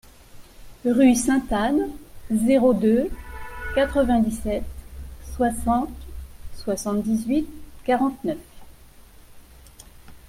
Rue Sainte Anne, zéro deux quatre-vingt-dix-sept soixante soixante-dix-huit quarante-neuf.